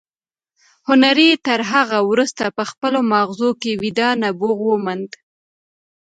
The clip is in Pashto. هنري تر هغه وروسته په خپلو ماغزو کې ویده نبوغ وموند